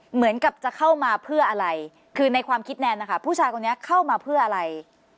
เหมือนกับจะเข้ามาเพื่ออะไรคือในความคิดแนนนะคะผู้ชายคนนี้เข้ามาเพื่ออะไร